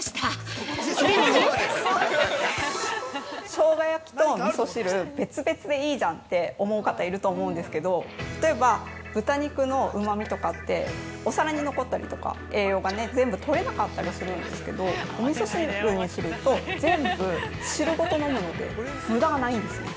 しょうが焼きとみそ汁、別々でいいじゃんって思う方いると思うんですけど、例えば、豚肉のうまみとかって、お皿に残ったりとか、栄養が全部とれなかったりするんですけど、おみそ汁にすると、全部汁ごと飲むので、無駄がないんですよね。